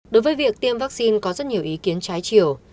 đối với việc tiêm vaccine có rất nhiều ý kiến trái chiều